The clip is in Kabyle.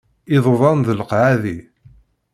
Iḍudan d leqɛadi.